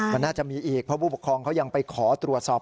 มันน่าจะมีอีกเพราะผู้ปกครองเขายังไปขอตรวจสอบ